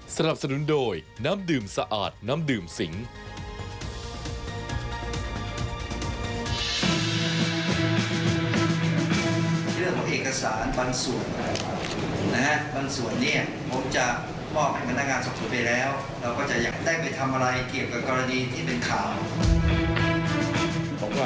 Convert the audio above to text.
สนับสนุนโดยน้ำดื่มสะอาดน้ำดื่มสิง